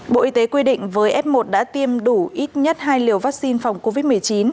bộ y tế quy định với f một đã tiêm đủ ít nhất hai liều vaccine phòng covid một mươi chín